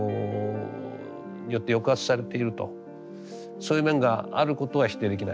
そういう面があることは否定できない。